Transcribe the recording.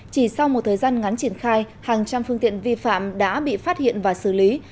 chỉ sau một thời gian ngắn triển khai hàng trăm phương tiện vi phạm đã bị phát hiện và xử lý